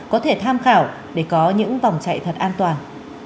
có thể tham khảo để có những vòng chạy thật an toàn